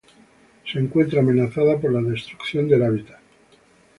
Se encuentra amenazada por la destrucción de hábitat.